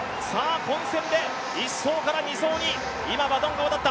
混戦で１走から２走に今、バトンが渡った。